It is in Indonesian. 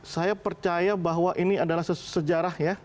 saya percaya bahwa ini adalah sejarah ya